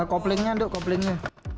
nah koplingnya duk koplingnya